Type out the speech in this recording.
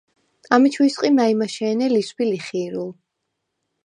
ამეჩუ ისყი მა̄̈ჲმაშე̄ნე ლისვბი-ლიხი̄რულ.